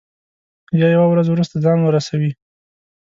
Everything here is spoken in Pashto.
یا یوه ورځ وروسته ځان ورسوي.